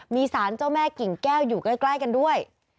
มีสารเจ้าแม่กิ่งแก้วอยู่ใกล้กันด้วย